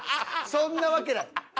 そんなわけない！